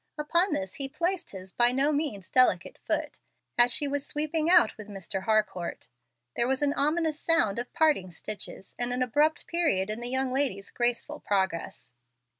Upon this he placed his by no means delicate foot, as she was sweeping out with Mr. Harcourt. There was an ominous sound of parting stitches, and an abrupt period in the young lady's graceful progress.